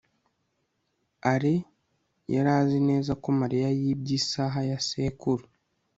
alain yari azi neza ko mariya yibye isaha ya sekuru